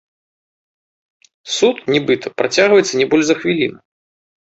Суд, нібыта, працягваецца не больш за хвіліну.